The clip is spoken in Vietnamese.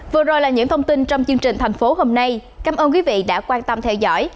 vừa rồi là những thông tin trong chương trình thành phố hôm nay cảm ơn quý vị đã quan tâm theo dõi